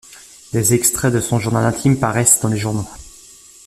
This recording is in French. Des extraits de son journal intime paraissent dans les journaux.